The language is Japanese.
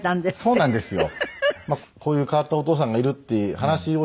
そうなんですか。